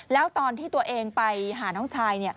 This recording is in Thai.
แล้วตอนที่ตัวเองไปหาน้องชาย